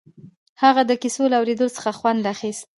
هغه د کيسو له اورېدو څخه خوند اخيست.